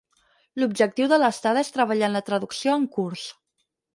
L'objectiu de l'estada és treballar en la traducció en curs.